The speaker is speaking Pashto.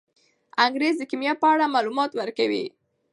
انګریز د کیمیا په اړه معلومات ورکوي.